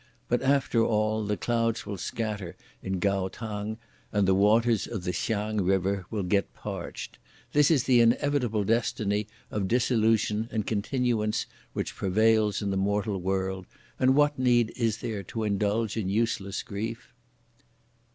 But, after all, the clouds will scatter in Kao T'ang and the waters of the Hsiang river will get parched! This is the inevitable destiny of dissolution and continuance which prevails in the mortal world, and what need is there to indulge in useless grief?